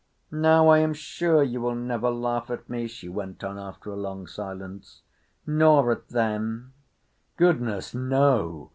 "Now I am sure you will never laugh at me," she went on after a long silence. "Nor at them." "Goodness! No!"